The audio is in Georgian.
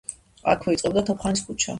აქვე იწყებოდა თოფხანის ქუჩა.